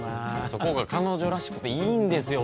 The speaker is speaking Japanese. そこが彼女らしくていいんですよ